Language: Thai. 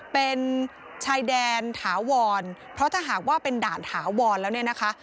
เป็นชายแดนถาวรเพราะถ้าหากว่าเป็นด่านถาวรแล้วเนี่ยนะคะ